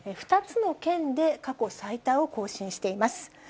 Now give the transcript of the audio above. ２つの県で過去最多を更新しています。